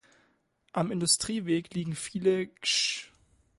Am Industrieweg liegen viele Gesch